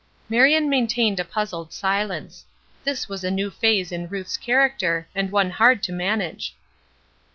Marion maintained a puzzled silence. This was a new phase in Ruth's character, and one hard to manage.